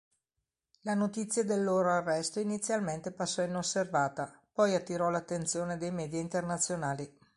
La notizia del loro arresto inizialmente passò inosservata, poi attirò l'attenzione dei media internazionali.